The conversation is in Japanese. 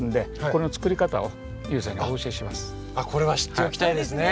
これは知っておきたいですね。